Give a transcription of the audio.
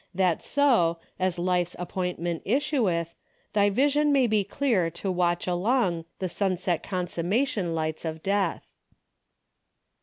That so, as life's appointment issueth. Thy vision may be clear to watch along The sunset consummation lights of death."